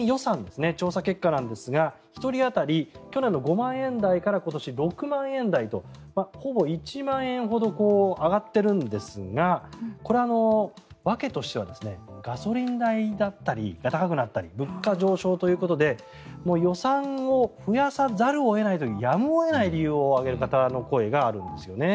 その調査結果なんですが１人当たり去年の５万円台から今年は６万円台とほぼ１万円ほど上がっているんですがこれ、訳としてはガソリン代が高くなったり物価上昇ということで予算を増やさざるを得ないというやむを得ない理由を挙げる方の声があるんですよね。